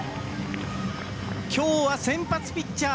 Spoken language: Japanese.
きょうは先発ピッチャー